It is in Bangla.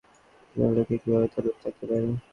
একজন লোকের কীভাবে এত রূপ থাকতে পারে?